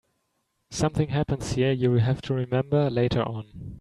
Something happens here you'll have to remember later on.